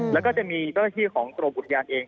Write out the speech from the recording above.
แล้วก็จะมีเวลาที่ของโตรบุธยานเอง